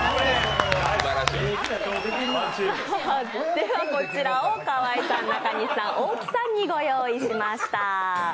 では、こちらを河井さん、中西さん、大木さんにご用意しました。